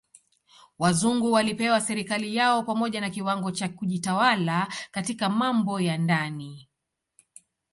Wazungu walipewa serikali yao pamoja na kiwango cha kujitawala katika mambo ya ndani.